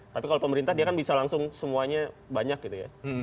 tapi kalau pemerintah dia kan bisa langsung semuanya banyak gitu ya